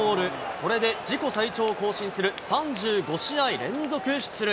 これで自己最長を更新する３５試合連続出塁。